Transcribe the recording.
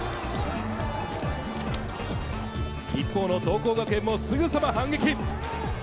一方の桐光学園もすぐさま反撃。